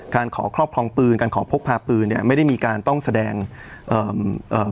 ขอครอบครองปืนการขอพกพาปืนเนี้ยไม่ได้มีการต้องแสดงเอ่อเอ่อ